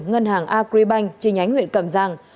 ngân hàng agribank trên nhánh huyện cẩm giang